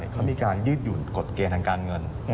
เขามีการยืดหยุ่นกฎเกณฑ์ทางการเงิน